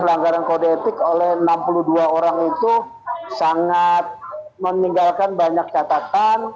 pelanggaran kode etik oleh enam puluh dua orang itu sangat meninggalkan banyak catatan